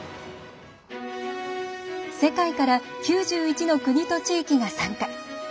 世界から９１の国と地域が参加。